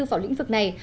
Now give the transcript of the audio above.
vào lĩnh vực này